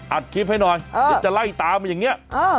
อัดคลิปให้หน่อยเดี๋ยวจะไล่ตามอย่างนี้